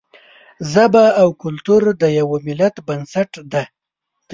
ژبه او کلتور د یوه ملت بنسټ دی.